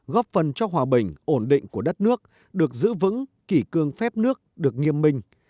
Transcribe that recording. góp phần cho hòa bình ổn định của đất nước được giữ vững kỷ cương phép nước được nghiêm minh